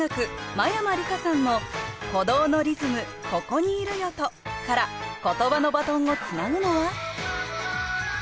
真山りかさんの「鼓動のリズム『此処にいるよ』と」からことばのバトンをつなぐのは？